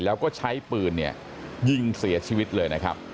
แล้วก็ใช้ปืนเนี่ยยิงเสียชีวิตเลยนะครับ